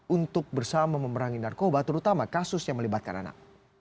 untuk bersama memerangi narkoba terutama kasus yang melibatkan anak